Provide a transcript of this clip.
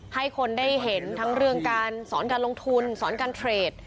ให้คนได้เห็นทั้งเรื่องการสอนการลงทุนสอนการเทรด